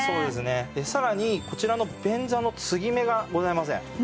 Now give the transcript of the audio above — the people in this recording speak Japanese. でさらにこちらの便座の継ぎ目がございません。